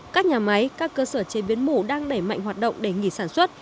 các nhà máy các cơ sở chế biến mủ đang đẩy mạnh hoạt động để nghỉ sản xuất